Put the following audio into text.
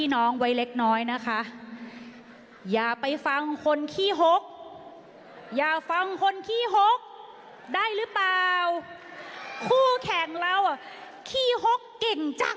นุ้ยตั่งใจด้วยรู้ไหมคะ